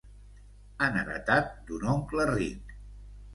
Han heretat d'un oncle ric.